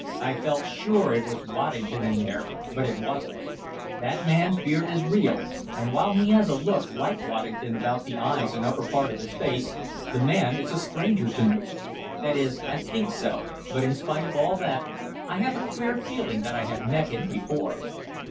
I felt sure it was Waddington in there, but it wasn't. That man's beard is real, and while he has a look like Waddington about the eyes and upper part of his face, the man is a stranger to me. That is I think so, but in spite of all that, I have a queer feeling that I have met him before."